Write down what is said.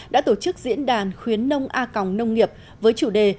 đã tổ chức diễn đàn khuyến nông a còng nông nghiệp với chủ đề